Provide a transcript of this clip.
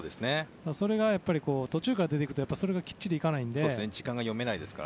それが途中から出て行くとそれがきっちりいかないので。